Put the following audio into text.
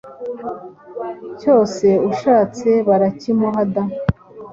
cyose ashatse barakimuha da